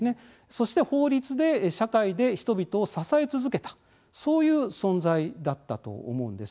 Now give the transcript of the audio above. そして法律で、社会で人々を支え続けたそういう存在だったと思うんです。